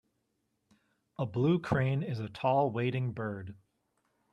A blue crane is a tall wading bird.